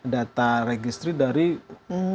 data registry dari belasan tax haven countries